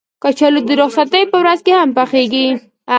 کچالو د رخصتۍ په ورځ هم پخېږي